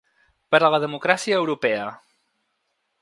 Per a la democràcia europea.